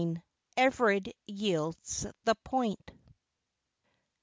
EVERARD YIELDS THE POINT.